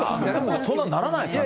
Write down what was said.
そんなんならないんですかね。